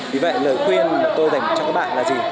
vì vậy lời khuyên mà tôi dành cho các bạn là gì